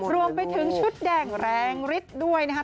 รวมไปถึงชุดแดงแรงฤทธิ์ด้วยนะครับ